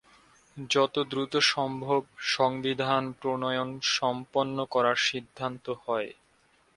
যতদ্রুত সম্ভব সংবিধান প্রণয়ন সম্পন্ন করার সিদ্ধান্ত হয়।